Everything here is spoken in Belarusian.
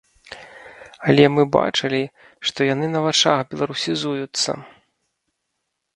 Але мы бачылі, што яны на вачах беларусізуюцца.